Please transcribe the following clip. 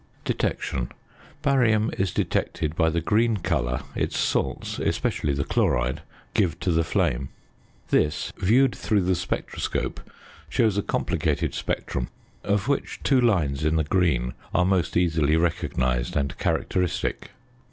~Detection.~ Barium is detected by the green colour its salts, especially the chloride, give to the flame. This, viewed through the spectroscope, shows a complicated spectrum, of which two lines in the green are most easily recognised and characteristic.